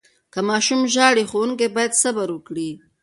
که ماشوم ژاړي، ښوونکي باید صبر وکړي.